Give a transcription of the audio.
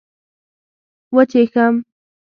وچيښم